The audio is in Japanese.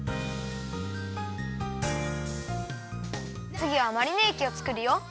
つぎはマリネえきをつくるよ。